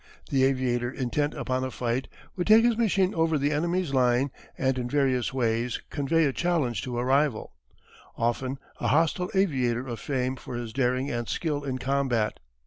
The aviator intent upon a fight would take his machine over the enemy's line and in various ways convey a challenge to a rival often a hostile aviator of fame for his daring and skill in combat.